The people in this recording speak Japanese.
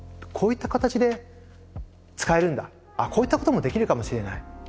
こういった形で使えるんだこういったこともできるかもしれない。